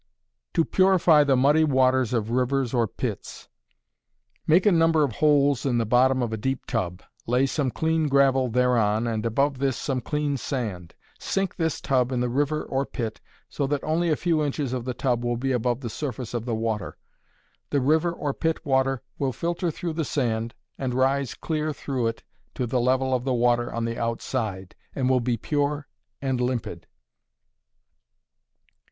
To Purify the Muddy Waters of Rivers or Pits. Make a number of holes in the bottom of a deep tub; lay some clean gravel thereon, and above this some clean sand; sink this tub in the river or pit, so that only a few inches of the tub will be above the surface of the water; the river or pit water will filter through the sand, and rise clear through it to the level of the water on the outside, and will be pure and limpid.